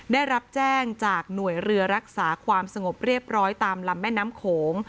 ได้รับแจ้งจากหน่วยเรือรักษาความสงบเรียบร้อยตามลำแม่น้ำโขง